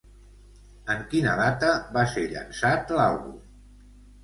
En quina data va ser llançat l'àlbum?